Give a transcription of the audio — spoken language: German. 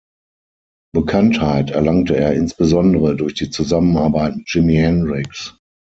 Bekanntheit erlangte er insbesondere durch die Zusammenarbeit mit Jimi Hendrix.